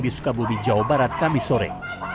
di sukabobi jawa barat kambisore